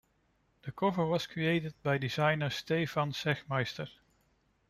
The cover was created by designer Stefan Sagmeister.